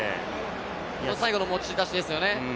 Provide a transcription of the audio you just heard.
最後の持ち出しですよね。